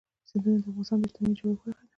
سیندونه د افغانستان د اجتماعي جوړښت برخه ده.